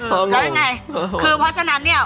แล้วยังไงคือเพราะฉะนั้นเนี่ย